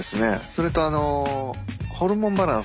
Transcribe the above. それとあのホルモンバランスですね。